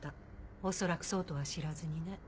おそらくそうとは知らずにね。